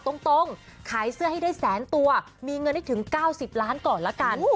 ตรงขายเสื้อให้ได้แสนตัวมีเงินให้ถึง๙๐ล้านก่อนละกัน